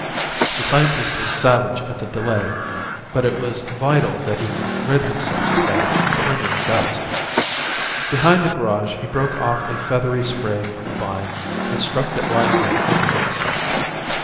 The scientist was savage at the delay; but it was vital that he rid himself of that clinging dust. Behind the garage he broke off a feathery spray from a vine, and stroked it lightly over himself.